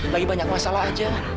lagi banyak masalah aja